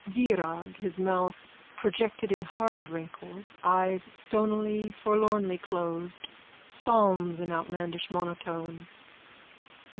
VIRAG: _(His mouth projected in hard wrinkles, eyes stonily forlornly closed, psalms in outlandish monotone.)